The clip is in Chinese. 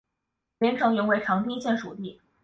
连城原为长汀县属地。